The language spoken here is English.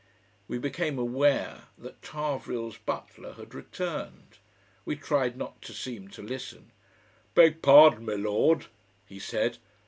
We became aware that Tarvrille's butler had returned. We tried not to seem to listen. "Beg pardon, m'lord," he said.